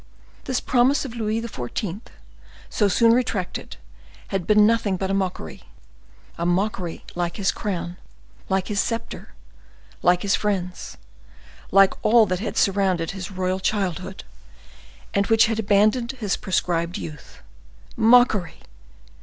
This promise of Louis XIV., so soon retracted, had been nothing but a mockery; a mockery like his crown—like his scepter—like his friends—like all that had surrounded his royal childhood, and which had abandoned his proscribed youth. Mockery!